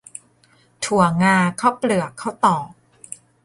ถั่วงาข้าวเปลือกข้าวตอก